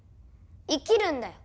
生きるんだよ。